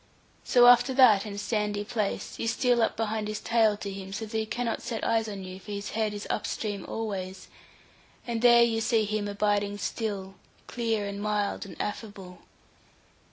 So after that, in a sandy place, you steal up behind his tail to him, so that he cannot set eyes on you, for his head is up stream always, and there you see him abiding still, clear, and mild, and affable.